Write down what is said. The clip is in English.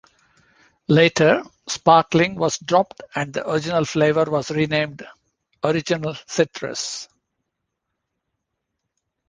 Later, "Sparkling" was dropped and the original flavor was renamed "Original Citrus".